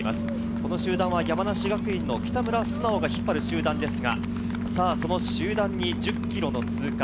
この集団は山梨学院の北村惇生が引っ張る集団ですが、その集団に１０ｋｍの通過。